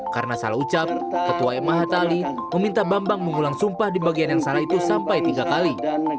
karena salah ucap ketua mh tali meminta bambang mengulang sumpah di bagian yang salah itu sampai tiga kali